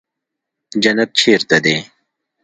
جنت چېرته دى.